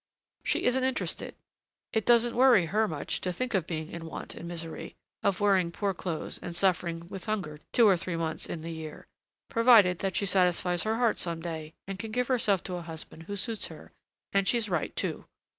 She isn't interested; it doesn't worry her much to think of being in want and misery, of wearing poor clothes and suffering with hunger two or three months in the year, provided that she satisfies her heart some day and can give herself to a husband who suits her and she's right, too!